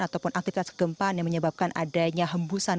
ataupun aktivitas kegempaan yang menyebabkan adanya hembusan